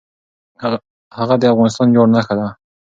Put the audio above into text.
هغه د افغانستان د ویاړ نښه ده.